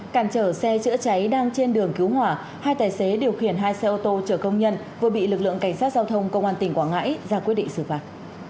cản trở xe chữa cháy đang trên đường cứu hỏa hai tài xế điều khiển hai xe ô tô chở công nhân vừa bị lực lượng cảnh sát giao thông công an tỉnh quảng ngãi ra quyết định xử phạt